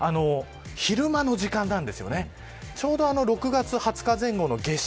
昼間の時間なんです。